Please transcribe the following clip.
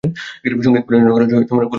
সংগীত পরিচালনা করেছেন গোলাম হায়দার।